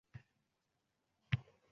Kechir, Qodir Alloh, menday bandangni